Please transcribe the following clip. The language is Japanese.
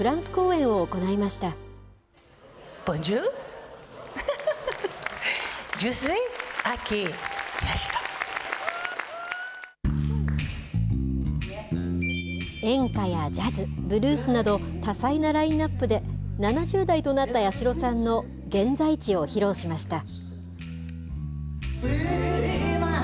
演歌やジャズ、ブルースなど、多彩なラインナップで７０代となった八代さんの現在地を披露しました。